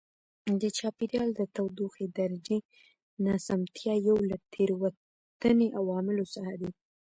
د چاپېریال د تودوخې درجې ناسمتیا یو له تېروتنې عواملو څخه دی.